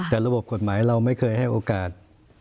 แต่ระบบกฎหมายเราไม่เคยให้โอกาส